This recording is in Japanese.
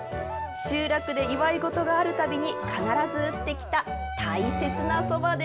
集落で祝い事があるたびに、必ず打ってきた大切なそばです。